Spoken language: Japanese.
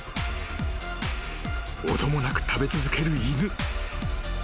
［音もなく食べ続ける犬］